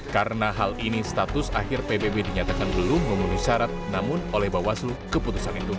karena hal ini status akhir pbb dinyatakan belum memenuhi syarat namun oleh bawaslu keputusan itu dipatalkan